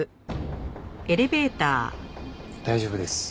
大丈夫です。